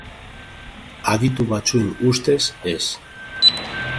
Aditu batzuen ustez, ez.